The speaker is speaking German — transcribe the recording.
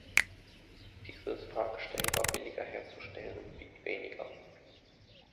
Dieses Fahrgestell war billiger herzustellen und wiegt weniger.